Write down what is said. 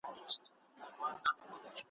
که ناوخته درته راغلم بهانې چي هېر مي نه کې ,